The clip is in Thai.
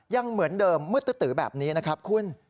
ยังเหมือนเดิมมืดตื้อแบบนี้นะครับคุณ